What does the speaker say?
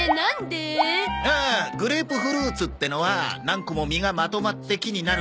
ああグレープフルーツってのは何個も実がまとまって木になるんだけどな